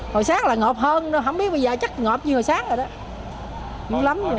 hồi sáng là ngọt hơn không biết bây giờ chắc ngọt như hồi sáng rồi đó